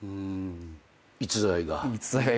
逸材が。